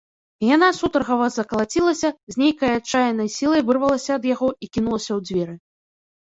Яна сутаргава закалацілася, з нейкай адчайнай сілай вырвалася ад яго і кінулася ў дзверы.